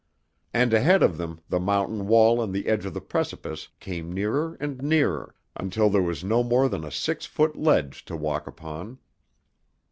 And ahead of them the mountain wall and the edge of the precipice came nearer and nearer, until there was no more than a six foot ledge to walk upon.